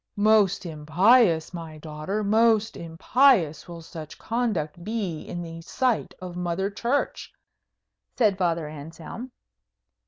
"Most impious, my daughter, most impious will such conduct be in the sight of Mother Church," said Father Anselm.